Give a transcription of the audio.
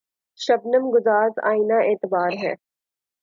شبنم‘ گداز آئنۂ اعتبار ہے